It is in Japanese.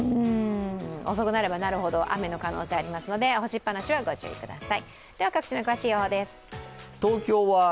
遅くなればなるほど雨の可能性がありますので、干しっぱなしはご注意ください。